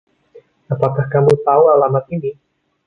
Apakah kamu tahu alamat ini...?